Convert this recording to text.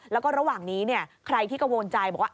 แล้วก็ระหว่างนี้ใครที่กังวลใจบอกว่า